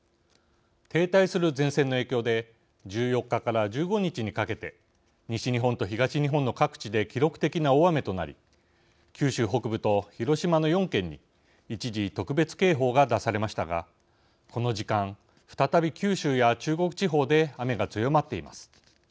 停滞する前線の影響で１４日から１５日にかけて西日本と東日本の各地で記録的な大雨となり九州北部と広島の４県に一時、特別警報が出されましたがこの時間、再び九州や中国地方で雨が強まっています。